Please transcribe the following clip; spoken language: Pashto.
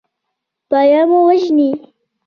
پوه مه وژنئ.